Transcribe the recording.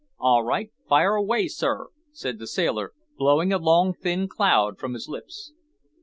"All right; fire away, sir," said the sailor, blowing a long thin cloud from his lips.